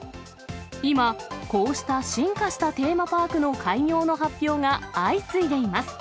今、こうした進化したテーマパークの開業の発表が相次いでいます。